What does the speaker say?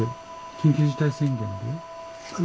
緊急事態宣言で？